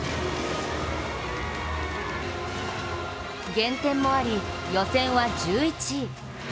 減点もあり、予選は１１位。